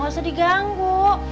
gak usah diganggu